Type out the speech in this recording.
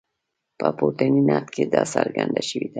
په پورتني نعت کې دا څرګنده شوې ده.